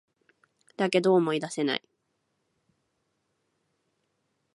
だけど、思い出せない